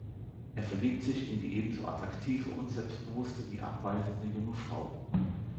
Er verliebt sich in die ebenso attraktive und selbstbewusste wie abweisende junge Frau.